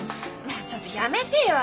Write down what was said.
もうちょっとやめてよ葵。